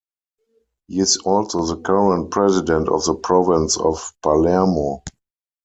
He is also the current President of the Province of Palermo.